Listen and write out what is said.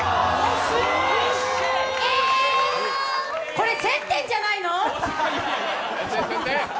これ１０００点じゃないの？